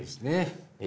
え